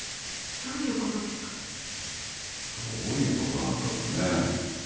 どういうことなんだろうねぇ。